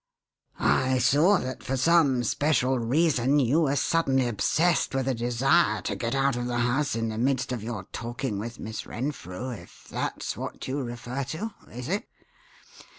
"I saw that for some special reason you were suddenly obsessed with a desire to get out of the house in the midst of your talking with Miss Renfrew, if that's what you refer to is it?"